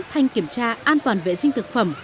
thanh kiểm tra an toàn vệ sinh thực phẩm